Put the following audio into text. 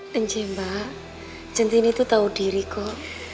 dan cimba jantin itu tau diri kok